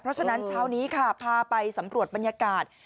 เพราะฉะนั้นชะวันนี้พาไปสำรวจบรรยากาศ